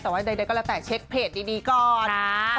แต่ว่าใดก็แล้วแต่เช็คเพจดีก่อน